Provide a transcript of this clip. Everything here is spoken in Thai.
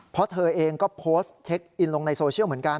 เพราะเธอเองก็โพสต์เช็คอินลงในโซเชียลเหมือนกัน